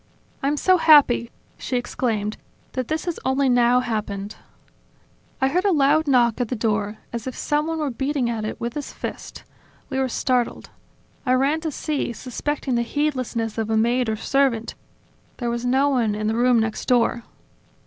"I'm so happy," she exclaimed, "that this has only now happened!" I heard a loud knock at the door, as if someone were beating at it with his fist. We were startled. I ran to see, suspecting the heedlessness of a maid or servant; there was no one in the room next door."